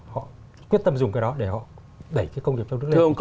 họ quyết tâm dùng cái đó để họ đẩy cái công nghiệp trong nước lên